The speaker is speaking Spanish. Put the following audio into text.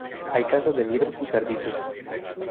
Hay caza de liebres y perdices.